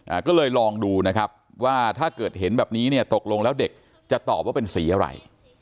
อ่าก็เลยลองดูนะครับว่าถ้าเกิดเห็นแบบนี้เนี่ยตกลงแล้วเด็กจะตอบว่าเป็นสีอะไร